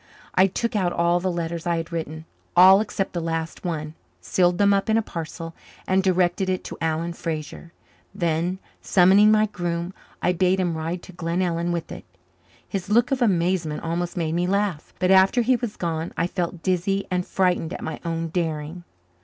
I took out all the letters I had written all except the last one sealed them up in a parcel and directed it to Alan Fraser. Then, summoning my groom, I bade him ride to Glenellyn with it. His look of amazement almost made me laugh, but after he was gone I felt dizzy and frightened at my own daring.